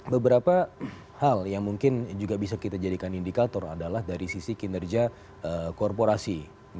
beberapa hal yang mungkin juga bisa kita jadikan indikator adalah dari sisi kinerja korporasi